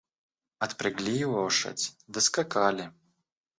Отпрягли лошадь, доскакали..